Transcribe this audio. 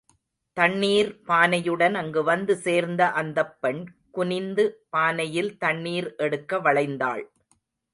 தண்ணீர் பானையுடன் அங்கு வந்து சேர்ந்த அந்தப்பெண், குனிந்து பானையில் தண்ணீர் எடுக்க வளைந்தாள்.